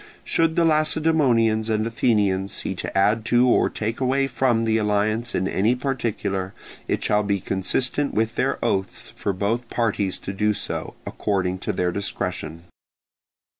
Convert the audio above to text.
Should the Lacedaemonians and Athenians see to add to or take away from the alliance in any particular, it shall be consistent with their oaths for both parties to do so, according to their discretion.